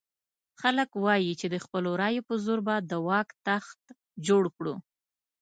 خلک وایي چې د خپلو رایو په زور به د واک تخت جوړ کړو.